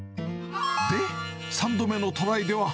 で、３度目のトライでは。